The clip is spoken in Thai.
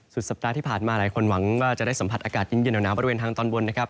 สัปดาห์ที่ผ่านมาหลายคนหวังว่าจะได้สัมผัสอากาศเย็นหนาวบริเวณทางตอนบนนะครับ